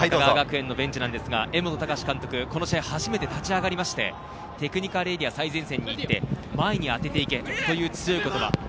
高川学園のベンチですが、江本孝監督、この試合、初めて立ちあがりまして、テクニカルエリア、最前線に行って、前に当てていけという強い言葉。